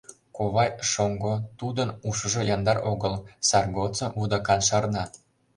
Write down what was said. Ковай — шоҥго, тудын ушыжо яндар огыл, сар годсым вудакан шарна.